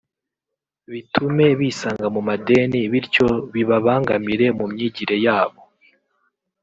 bitume bisanga mu madeni bityo bibabangamire mu myigire ya bo